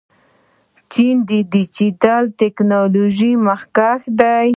چین په ډیجیټل تکنالوژۍ کې مخکښ دی.